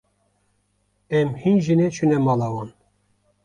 Em hîn jî neçûne mala wan.